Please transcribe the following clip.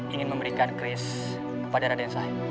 ingin memberikan kris kepada raden saya